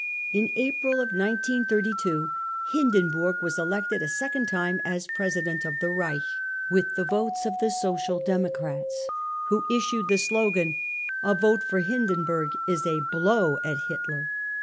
In April 1932 Hindenburg was elected a second time as President of the Reich, with'" the votes of the Social Demo crats, who issued the slogan : £t A vote for Hindenburg is a blow at Hitler